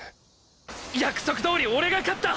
約束どおり俺が勝った！